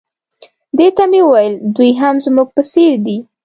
دې ته مې وویل دوی هم زموږ په څېر دي.